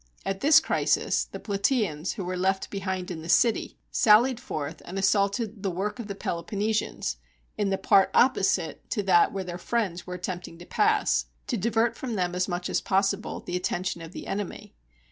At this crisis the Plataeans, who were left behind in the city, sallied i6i GREECE forth and assaulted the work of the Peloponnesians, in the part opposite to that where their friends were at tempting to pass, to divert from them as much as pos sible the attention of the enemy.